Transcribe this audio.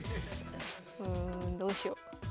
うんどうしよう。